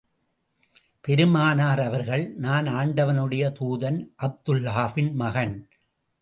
பெருமானார் அவர்கள், நான் ஆண்டவனுடைய தூதன் அப்துல்லாஹ்வின் மகன்.